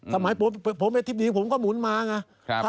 สมัยผมได้ทิศยิมาผมก็หมุนมาฮะ